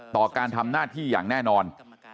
ต่อการทำหน้าที่อย่างแน่นอน